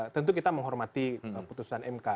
tentu kita menghormati putusan mk